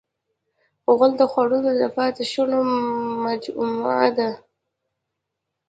غول د خوړو د پاتې شونو مجموعه ده.